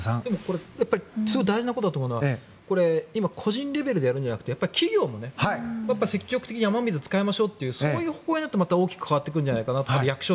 すごい大事なことだと思うのは今、個人レベルでやるんじゃなくて企業も積極的に雨水を使いましょうってそういう方向になると変わってくるんじゃないかなと。